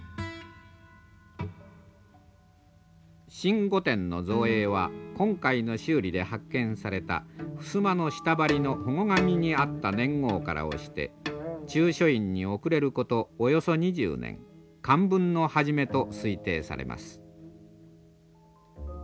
新御殿の造営は今回の修理で発見された襖の下張りのほご紙にあった年号から推して中書院に遅れることおよそ２０年寛文の初めと推定されます。